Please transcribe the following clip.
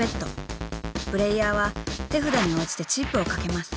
［プレーヤーは手札に応じてチップを賭けます］